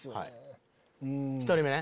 １人目ね。